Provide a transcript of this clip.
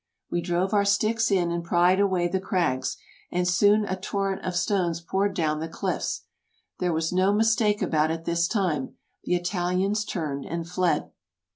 We drove our sticks in and pried away the crags, and soon a torrent of stones poured down the cliffs. There was no mistake about it this time. The Italians turned and fled.